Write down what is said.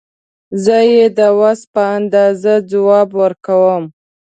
زه یې د وس په اندازه ځواب ورکوم.